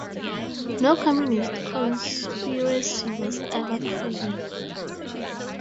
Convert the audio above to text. No communist conspiracy was ever proven.